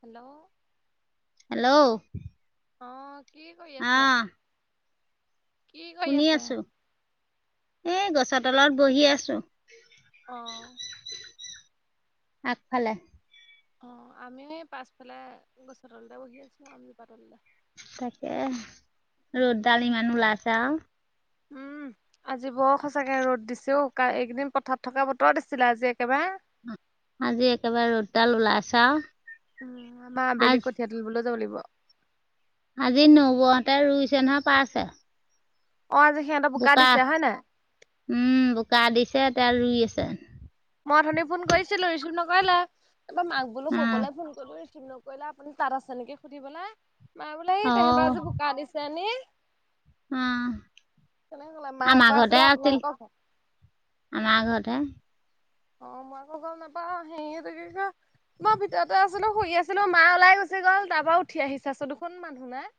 Hello, hello, অ, কি কৰি আছে? আহ কি কৰি শুনি আছে আছো, এই গছৰ তলত বহি আছো। অ', আগফালে অ, আমি পাছফালে গছৰ তল বহি আছিলো আমজোপা তলতে। তাকে ৰ'দডাল ইমান ওলাইছে আৰু। উম, আজি বৰ সঁচাকে ৰ'দ দিছে অ, এইকদিন পথাৰত থকা বতৰ দিছিলে আজি একেবাৰে আজি একেবাৰে ৰডাল ওলাইছে আৰু। উম, আবেলি আজ কঠিয়া তুলিব যাব লাগিব। আজি নৌবহতে ৰুইচে নহয় পাইছে। অ, যে সিহঁতৰ বোকা দিছে হয় নাই। উম, বোকা দিছে তে ৰুই আছে। মই কথনি ফোন কৰিছিলো, ৰিচিভ নকৰিলা তাৰ মাক বোলো উম ববলৈ ফোন কৰিলো ৰিচিভ কৰিলা আপুনি তাত আছে নেকি সুধিবলৈা মায় বোলো এই অ তেহঁতৰ আজি বোকা দিছেনি। অ কেনে হলে মা আমাৰ আকৌ ঘৰতে আছিলে আছিল আপোনালোকৰ আমাৰ ঘৰতে। অ, মই আকৌ গম নাপাও সেই থাক ক [unintelligible] মই ভিতৰতে আছিলো শুই আছিলো মা ওলাই গুচি গ'ল, তাৰ পৰা উঠি আহি চাইছো দেখোন মানুহ নাই।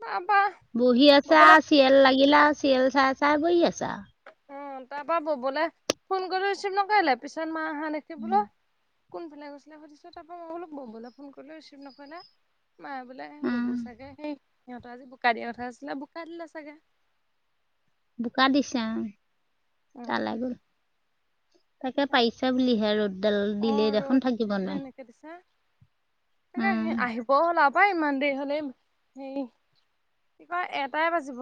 বা-বা। বহি আছা আৰু চিয়েল লাগিলে আৰু চিয়েল চাই চাই বহি আছা। অ, তাৰ পৰা ববলে ফোন কৰি ৰিচিভ নকৰিলে পিছত মা অহা দেখি আৰু বোলো। কোন ফালে গৈছিলে সুধিছো তাৰ পৰা মই বোলো ববলে ফোন কৰিলো ৰিচিভ নকৰিলে। মায় বোলে উম ববো চাগে সেই সিহঁতৰ আজি বোকা দিয়া কথা আছিলে বোকা দিলে চাগে। বোকাৰ দিছা অ তালাগৈ তাকে তাকে পাৰিছে বুলিহে ৰ'দ ডাল দিলে দেখোন থাকিব নোৱাৰি। দিছা তাকে উম, আহিব হ'ল আৰু। পা ইমান দেৰি হ'লেই হেৰি কি কয় এটাই বাজিব।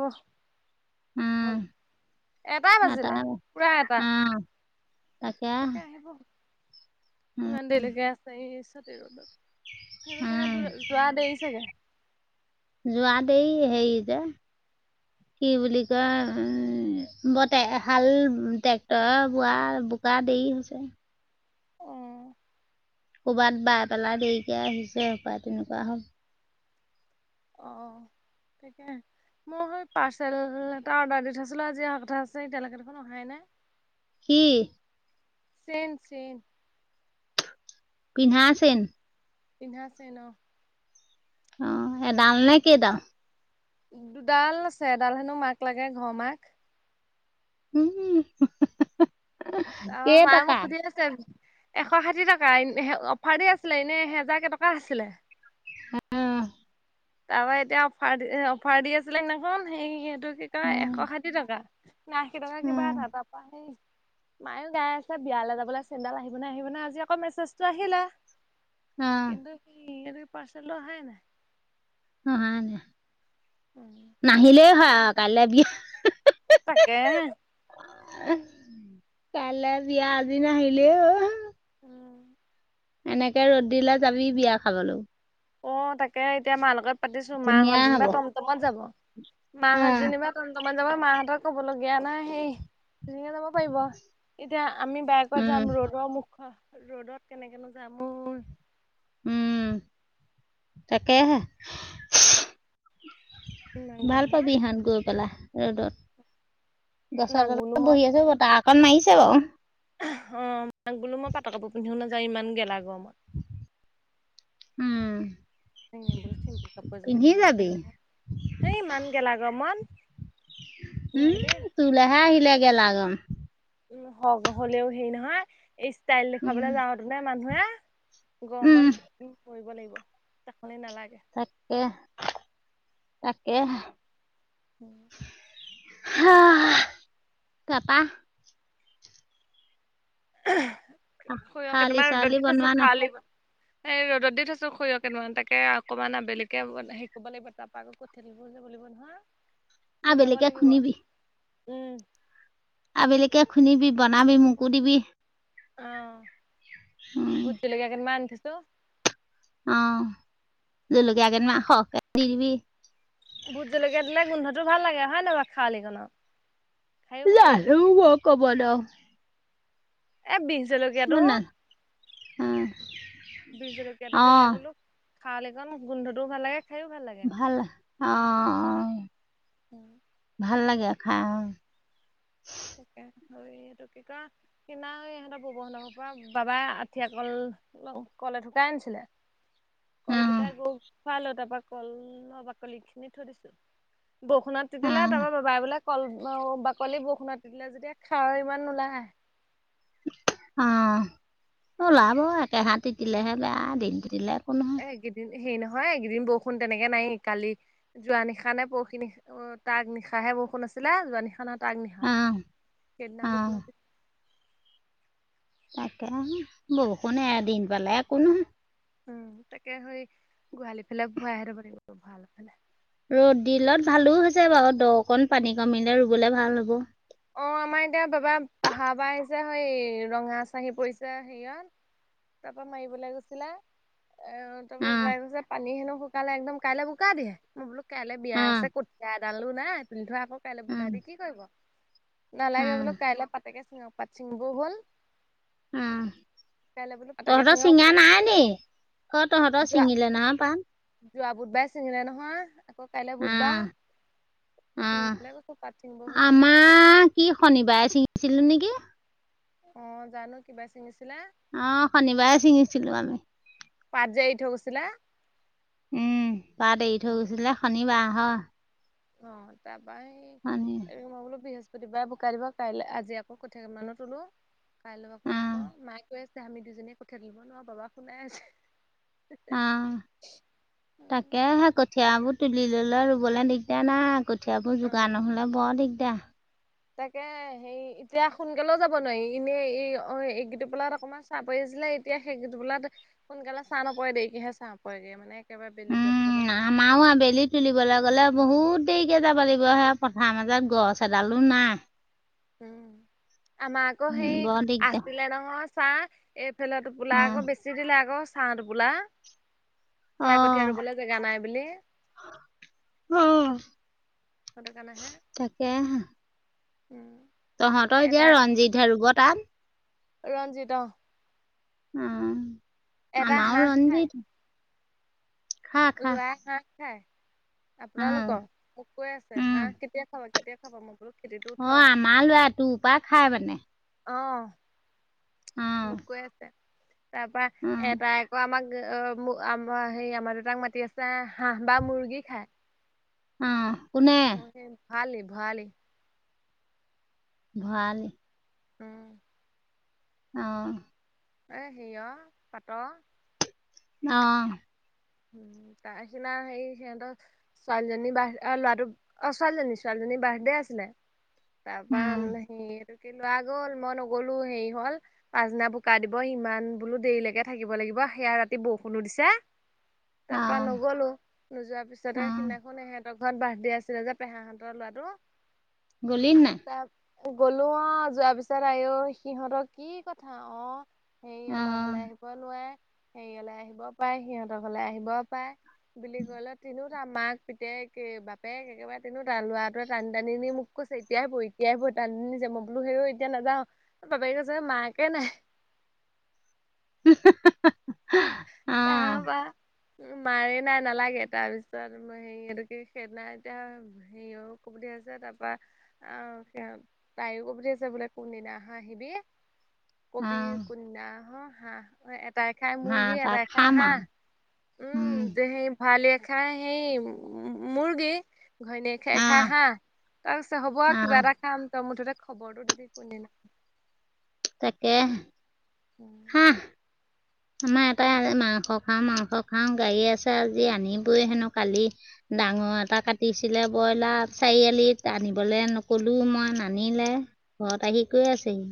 হল উম, এটা আ, বাজিলে তাৰ পুৰা এটা উম, তাকে আহিব উম, ইমান দেৰিলৈকে আছে এই চ ৰদত সিহঁত উম, চাগে যোৱা দেৰি চাগে যোৱা দেই সেই যে হয়। কি বুলি কয় উম, ব হাল ট্ৰেক্টৰ বোৱা বা দেৰি হৈছে। অ ক'ৰবাত বাই পেলাই দেৰিকে আহিছে সপাই তেনেকুৱা হ'ল। অ, তাকে মই সেই পাৰ্চেল এটা অৰ্ডাৰ দি থৈছিলো, আজি অহাৰ কথা আছে এতিয়ালৈকে দেখোন অহাই নাই। কি? চেইন-চেইন। পিন্ধা চেইন। পিন্ধা চেইন। অ, এডাল নে কেইডাল। ডাল আছে ডাল হেনো মাক লাগে ঘৰ মাক উম, আ মায়ে মোক কেইটকা খুজি আছে। এশ ষাঠি টকা অফাৰ আছিলে, এনেই এহেজাৰ কেই টকা আছিলে। উম, তাৰপৰা এতিয়া অফাৰ দি অফাৰ দি আছিলে, সেইদিনাখন সেই সেইটো কি কয় এশ অঁ ষাঠি টকা। নে আশী টকা কিবা অঁ ধাবা পা সেই মায়ো গাই আছে বিয়ালৈ যাবলৈ চেণ্ডেল আহিব নে, আহিব নে আজি আক মেছেজটো আহিলে। অঁ কিন্তু সি ইটো পাৰ্চেলটো অ, আহাই নাই। নাহিলেই হয় আৰু কাইলৈ তাকে। কাইলৈ বিয়া আজি নাহিলেও। উম, এনেকে ৰ'দ দিলে যাবি বিয়া খাবলৈ। অ, তাকে এতিয়া মাৰ লগত পাতিছো মাহত ধুনীয়া যেনিবা হব টমটমত যাব। ম হাজি ন বা ত [unintelligible] যাব মাহতৰ কব লগীয়া নাই সেইে যাব পাৰিব এতিয়া আমি বাই। তপা উম যাম ৰ'দৰ মুখ ৰ'দত কেনেকেনো যামোৰ উম, তাকেহে। ইমান ভাল গৰমত পাবিহত গৈ পেলাই ৰ'দত। গছৰ নাগোলো তলত মই বহি আছো বতাহ অকণ মাৰিছে বাৰু। অ, মাক বোলো মই পাটৰ কাপোৰ পিন্ধিও নাযাও ইমান গেলা গৰমত। উম, চনে বুল চিম্পল কাপজ পিন্ধি নি যামখ যাবি ন হ ইমান গেলা গন [unintelligible] উম, তুলে হে আহিলে গেলা গৰম। উম, হলেও হেৰি নহয় এই ষ্টাইল উম দেখুৱাবলৈ যাওতো নে মানুহে। উম গৰমত মাৰিব লাগিব সেইকাৰণে নালাগে। তাকে তাকে। উম। তাপা? খৈয় খাৱলি কেইটামান ৰদত চাৱলি দি থাইছো বনোৱা নাই খালিবা এই ৰ'দত দি থৈছো সৰিয়হ কেইটামন তাকে অকনমান আবেলিকে হেৰিব লাগিব তাপা কঠিয়া তুলিব নহয় বনাব আবেলিকে লাগিব খুন্দিবি উম। আবেলিকে খুন্দিবি, বনাবি মোকো দিবি। অ' উম ভূট জলকীয়া কেইদমান আনি থৈছো। অ' জলকীয়া কেইটামান হৰকে দি দিবি। ভূত জলকীয়া দিলে গোন্ধটো ভাল লাগে হয় নাই বাও খাৱালি কানত? লালো মই ক'ব নোৱাও [unintelligible] এ, বি জলকীয়াটো, মই না বি জলকীয়াটো অ দিলে বোলো খাৱালি কন গন্ধটো ভালে ভাল অ' অ ভাল লাগে খাই অ। তাকে, এইটো কি কয় কিমান ইহঁতৰ বৱৰ হতৰ ঘৰৰ পৰা বাবাই আঠিয়া কল। হেল্ল কল এথোকাই আনিছিলে। অ কলকেইটা গৌক খোৱালো তাৰপা কলৰ বাকলি খিনি থৈ দিছো বৰষুণত অ তিতিলে তাৰপৰা বাবাই বোলে কল বাকলি বৰষুণত তিতিলে যেতিয়া খাৰ ইমান নোলায় অ ওলাব একেহাত তিলেহে বেয়া এদিন তিতিলে একো নহয়। এ, এইকেইদিন হেৰি নহয় এইকেইদিন বৰষুণ তেনেকে নাই কালি। যোৱা নিশা নে পৰহি নিশা অ তাৰ আগ নিশা হে বৰষুণ আছিলে যোৱা নিশা নত তাৰ আগ নিশা, অ সেইদিনা অ বৰষুণত। তাকে হে বৰষুণে এদিন পালে একো নহয়। উম, তাকে সেই গোহালি ফালে ভয়াই থব লাগিব ভৱাল ফালে। ৰ'দ দিলত ভালো হৈছে বাৰু দকণ পানী কমিলে ৰুবলে ভাল হ'ব। অ' আমাৰ এতিয়া বাবা পাহাৰ পৰা আহিছে সেই ৰঙা চাঁহি পৰিছে হেৰিয়ত। তাৰ পৰা মাৰিবলৈ গৈছিলা এ। তাৰ পৰা বাবাই কৈছে পানী হেনো শুকালে একদম কাইলে বুকা দিয়ে মই বোলো কাইলে বিয়া অ অ আছে কঠীয়া এডালো নাই তুুলি থোৱা আকৌ কাইলে বোকা দি কি কৰিব অ নালাগে বোলো কাইলে পাতেকে চিঙক, পাত ছিঙিবও হ'ল। উম কাইলে বোলোঁ তহঁতৰ ছিঙা নাই নি অ তহঁতৰ যোৱা ছিঙিলে নহয় পাত যোৱা বুধ বাই ছিঙিলে নহয় আকৌ কাইলে বুধবা অ', চিঙবলে কৈছোঁ পাত চিঙবহ বুলি কৈছে তাত আহ কি শনিবাৰে ছিঙিছিলো নেকি? অ জানো কি বাৰে চিঙিছিলে অ শনিবাৰে ছিঙিছিলো আমি পাত যে এৰি গৈছিলা উম পাত এৰি থৈ গৈছিলে শনিবাৰ হ অ তাপা শনি এই মই বোলো বৃহ পতিবাৰে ভুকাই দিব কাইলে আজি আকৌ কঠীয়া কে মানকে তুলো কাইলৈ আকৌ হেকো অ', মায়ে কৈ আছে আমি দুজনীয়ে কঠিয়া তুলিব নোৱাৰো বাবাক শুনাই আছে অ তাকে সেই কঠিয়াবোৰ তুলি ললে ৰুবলে দিগদাৰ নাই কঠীয়াবোৰ যোগাৰ নহ'লে বৰ দিগদাৰ তাকে হেই এতিয়া সোনকালেও যাব নোৱাৰি এনেই এই অ এইগিটোপালাত অকমান চাহ পছিলে এতিয়া সেই কোটোপোলাত সোনকালে চাহ নপৰে দেৰিকেহে চাহ পৰেগে মানে একেবাৰে বেলি যোৱাৰ পিছতহে ছা অ বেলিত তুলিবলৈ গ'লে বহুত দেৰিকে যাব লাগিব সেয়া পথাৰ মাজত গছ এডালো নাই উম আমাৰ আকৌ উম, সেই বৰ দিগদাৰ আছিলে নহয় ছাঁ এইফাল টোপোলা আকৌ অ', বেছি দিলে আকৌ ছাঁ টোপোলা সেয়া কঠীয়া অ', ৰুবলে জেগা নাই বুলি অ সেটোকানেহে কা উম তহঁত এতিয়া এটা ৰঞ্জিতহে ৰুব তাত ৰঞ্জিত অ অ এটা আমও হাঁহ ৰঞ্জিত খা খা লোৱা হাঁহ খাই অ আপোনালোকৰ মোক কৈ আছে উম হাঁহ কেতিয়া খাব কেতিয়া খাব মোক অ আমাৰ লৰা তোৰ পৰা খাই মানে অ হা মোক কৈ আছে তাৰ পৰা এটাই আকৌ আমাক আম হেই আমাৰ দেতাক মাতি আছে হাঁহ বা মুৰ্গী খাই অ কোনে, ভৰালী ভৰালী ভৱালী উম অ এ সিয়হ পাট অ উম তা সিনা সেই সিহঁতৰ ছোৱালীজনী বাৰ্থ লৰাটো অ ছোৱালীজনী ছোৱালীজনীৰ বাৰ্থডে আছিলে তাৰপা উম সিটোক লৱা গ'ল মই নগলো হেৰি হ'ল পাছদিনা বোকা দিব সিমান বোলো দেৰিলৈকে থাকিব লাগিব সেয়া ৰাতি বৰষুণো দিছে তাৰ পৰা অ নগলো নোযোৱাৰ অ পিছতে সেইদিনাখন মুখত ভাত দিয়া আছিলে যে পেহাহতৰ লৱাতো গলি নে নাই তা গলো অ যোৱাৰ পিছত আ সিহঁতৰ কি কথা অ হেৰি অ আমাৰ ঘৰলৈ আহিব নোৱাৰে হেৰি হলে আহিব পাৰে সিহঁতৰ ঘৰলে আহিব পাৰে। বুলি ক'লে তিনিও তাৰ মাক পিতেক বাপেক একেবাৰে তিনিওটা লৰাটোৱে টানি টানি নি মোক কৈছে এতিয়াই বই এতিয়াই বই টানি নিছে মই বোলো এতিয়া‌ নাযাও বাপেকে কৈছে মাকে নাই উ হা হা তাহাবা উ মাৰে নাই নালাগে তাৰ পিছত মই হে সেটো কি সদিনা এতিয়া হ কবিধে আছে তাপা আহ তাইও কৈ পঠিয়াইছে বোলে কোনদিনা আহা আহিবি অ কবি কোনদিনা আহ হাঁহ এটাই খাই মোৰ হাঁহ হেই পা এটাই খাই খাম আৰু হাঁহ উ উম হেই ভৱালীয়ে খাই সেই মুৰ্গী ঘৈণীয়েক খ অ খাই হাঁহ তাৰপিছত হ'ব অ আৰু কিবা এটা কাম তই মুঠতে খবৰটো দিবি কোন দিনা তাকে উম উহ, আমাৰ তাকে এটাই মাংস খাওঁ -মাংস খাওঁ গাইয়ে আছে আজি আনিবই হেনো কালি। ডাঙৰ এটা কাটিছিলে বইলাৰ চাৰিআলিত আনিবলে নকলো মই নানিলে। ঘৰত আহি কৈ আছেহি।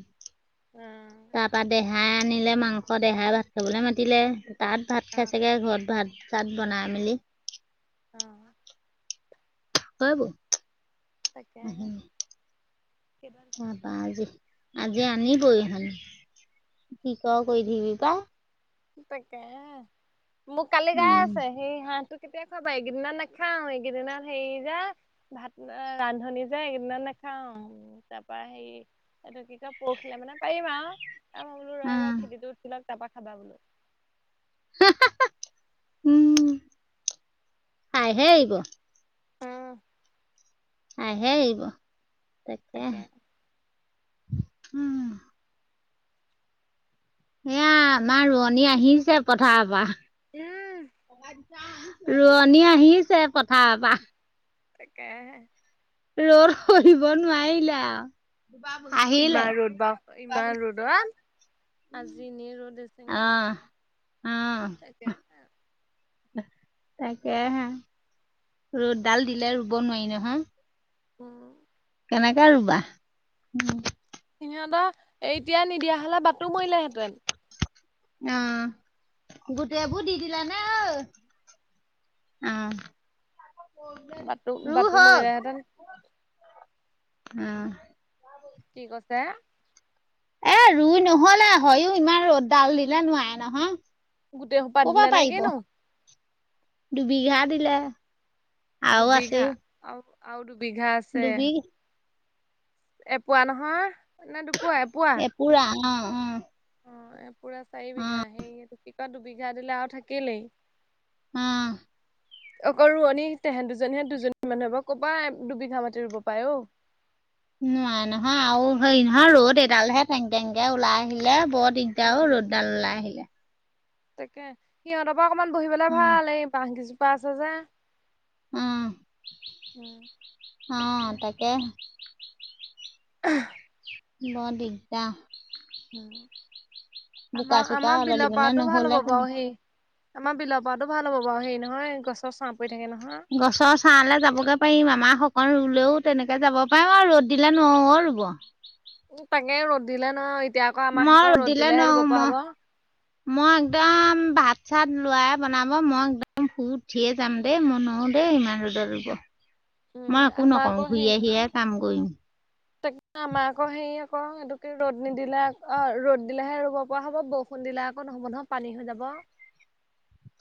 উম, তাৰপা দেহাই আনিলে মাংস দেহাই ভাত খাবলে মাতিলে। তাত ভাত অ অ খাই চাগে ঘৰত ভাত চাত বনাই মেলি অ', তই তাকেহে [unintelligible] বা আজি আজি আনিবই সেনো কি ক কৰি থাকিবি প তাকে মোক কালি গাই আছে সেই হাঁহটো কেতিয়া খাবা এইকেইদিনত নেখাও এইকেইদিন সেই যে ভাত আ ৰান্ধনি যে [unintelligible] নেখাও তাৰ পা হেৰি এটো কি কয় পৰহিলে মানে পাৰিম আৰ তাৰপা বোলো ৰ'- ৰ' খেতিটো উঠিলক তাৰপা খাবা বোলো। [unintelligible] উম, খাইহে এৰিব। উম, আহে এইব তাকে উম, এয়া আমাৰ ৰোৱনী আহিছে পথাৰ পা। উম ৰোৱনী আহিছে পথাৰ পা। তাকেহে। ৰদ সহিব নোৱাৰিলে আও। ইমান ৰ'দ বাও ইমান ৰ'দত আজি নি ৰ'দ এচেঙা আহ আহ তাকেহে। তাকেহে ৰ'দ ডাল দিলে ৰুব নোৱাৰি নহয়। উম, কেনেকে ৰুবা? উম, [unintelligible] সিহঁতৰ এ এতিয়া নিদিয়া হলে বাটটো মৰিলেহেঁতেন। উম, গোটেই বোৰ দি দিলে নে অ? উম, বাটু ৰু বাটু হ' ল? মৰিলেহেঁতেন উম, কি কছে? এ ৰুই নহ'লে হয়ো ইমান ৰ'দ ডাল দিলে নোৱাই নহয়। গোটেই সোপা কপা দিলে নে পাৰিব কিনো দুবিঘা দিলে। আৰু দুবিঘা আও- আও দুবিঘা আছে। দুবিঘা এপোৱা নহয় নে দুপুৱা এপ এ পুৰা অ', অ', অ, এ পুৰা চাৰি বিঘা সেই এইটো কি কয় দুবিঘা দিলে আৰু থাকিলেই। উম, অকল ৰোৱনী তেহে দুজনীহে দুজনী মানুহ হব ক'ৰ পা দুবিঘা মাতি ৰুব পায়ে অ? নোৱাই নহয় আৰু হেৰি নহয় ৰ'দ এডালহে তেঙকে -তেঙকে ওলাই আহিলে বৰ দিগ দাৰ অ, উম ৰ'দডাল ওলাই আহিলে। তাকে সিহঁতৰ পা অকমান বহিবলে ভাল এই বাঁহ কেজোপা আছে যে। উম উম-উম তাকে। [unintelligible] বৰ দিগদাহ। উম, আমা বোকা চোকা -আমাৰ বিলৰ উদলিবলৈ পাৰটো ভাল নহ'লে হ'ব তেনে বাৰু সেই। আমাৰ বিলৰ পাৰতো ভাল হ'ব বাৰু হেৰি নহয় গছৰ ছাঁ পৰি থাকে নহয়। গছৰ ছাঁলে যাবগে পাৰিম আমাৰ সকণ ৰুলেও তেনেকে যাব পাৰিম আৰু ৰ'দ দিলে নোৱাৰোঁ অ, ৰুব। উম, তাকে ৰ'দ দিলে ন এতিয়া আকৌ আমাক শেষ মই ৰ'দ দিলে দিলেহে ৰুব নোৱাৰোঁ পৰা মই হ'ব। মই একদম ভাত-চাত লোৱাই বনাব মই একদম ফুুৰ উঠিয়ে যাম দেই মই নোৱাও দেই ইমান ৰদত ৰুব। উম মই একো আমাৰ নকও আকৌ ঘূৰি আহি এ কাম কৰিম। তাক আমাক আকৌ সে আকৌ এইটোকে ৰ'দ নিদিলে, ৰ'দ দিলেহে ৰুব পৰা হ'ব ব। বৰষূণ দিলে আকৌ নহ'ব নহয় পানী হৈ যাব।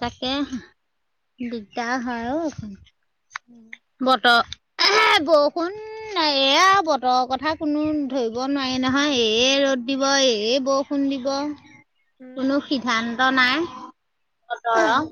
তাকে দিগদাৰ হয় অ, উম, বতৰ এ হে বৰষুন উম, নাই এয়া বতৰৰ কথা কোনো ধৰিব নোৱাৰি নহয় এই ৰ'দ দিব এই বৰষুণ বৰষূণ দিব কোনো সিদ্ধান্ত নাই উম বতৰৰ